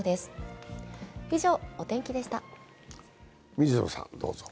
水野さん、どうぞ。